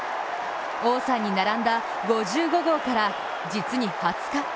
王さんに並んだ５５号から、実に２０日。